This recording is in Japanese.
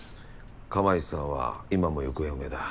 釜石さんは今も行方不明だ。